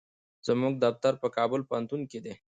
زموږ دفتر په کابل پوهنتون کې دی.